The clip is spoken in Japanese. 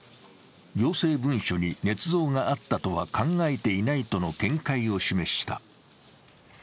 行政文書にねつ造があったとは考えていないとの見解を示した。